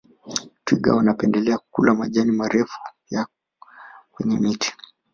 twiga wanapendelea kula majani marefu ya kwenye miti